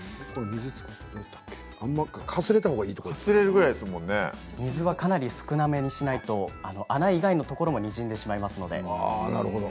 かすれたほうがいい水はかなり少なめにしないと穴以外のところもにじんでしまいますので。